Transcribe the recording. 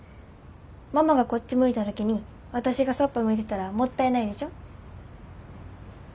ママがこっち向いた時に私がそっぽ向いてたらもったいないでしょ。